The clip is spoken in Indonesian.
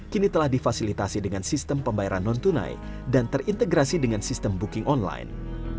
kini telah difasilitasi dengan sistem pembayaran non tunai dan terintegrasi dengan sistem booking online